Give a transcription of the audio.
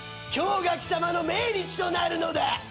今日が貴様の命日となるのだ！